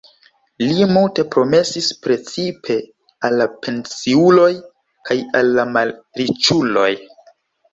Li multe promesis precipe al la pensiuloj kaj al la malriĉuloj.